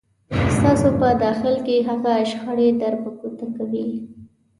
ستاسو په داخل کې هغه شخړې در په ګوته کوي.